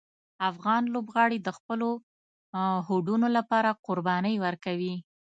افغان لوبغاړي د خپلو هوډونو لپاره قربانۍ ورکوي.